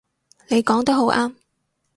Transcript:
你講得好啱